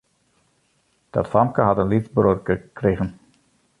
Dat famke hat in lyts bruorke krigen.